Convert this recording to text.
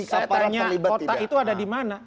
siapanya kota itu ada di mana